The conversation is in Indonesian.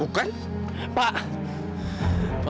oh gak tau